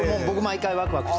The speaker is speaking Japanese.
毎回ワクワク。